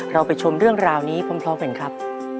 เราไปชมเรื่องราวนี้พร้อมพล้อมเห็นครับ